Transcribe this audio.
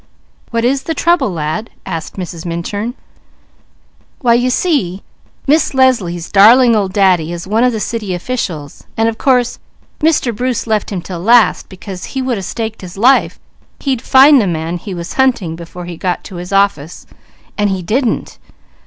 "What is the trouble, lad?" asked Mrs. Minturn. "Why you see Miss Leslie's 'darling old Daddy' is one of the city officials, and of course Mr. Bruce left him 'til last, because he would a staked his life he'd find the man he was hunting before he got to his office, and he _didn't!